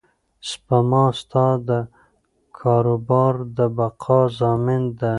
سپما ستا د کاروبار د بقا ضامن ده.